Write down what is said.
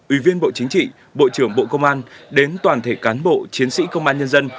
ủy viên bộ chính trị bộ trưởng bộ công an đến toàn thể cán bộ chiến sĩ công an nhân dân